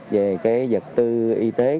về vật tư y tế